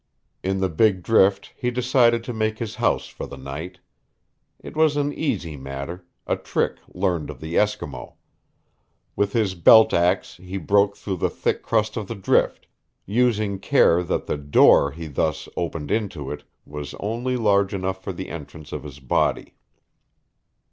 In the big drift he decided to make his house for the night. It was an easy matter a trick learned of the Eskimo. With his belt ax he broke through the thick crust of the drift, using care that the "door" he thus opened into it was only large enough for the entrance of his body.